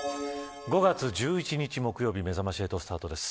５月１１日木曜日めざまし８スタートです。